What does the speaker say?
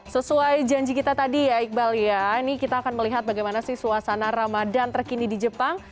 sesuai janji kita tadi ya iqbal ya ini kita akan melihat bagaimana sih suasana ramadan terkini di jepang